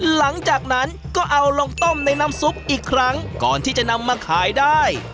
หลังจากนั้นก็เอาลงต้มในน้ำซุปอีกครั้งก่อนที่จะนำมาขายได้